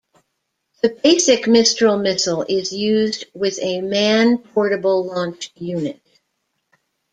The basic Mistral missile is used with a man-portable launch unit.